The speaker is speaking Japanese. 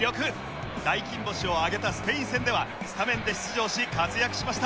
大金星を挙げたスペイン戦ではスタメンで出場し活躍しました。